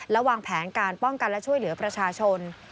และวางแผนการป้องกันและช่วยเหลือประชาชน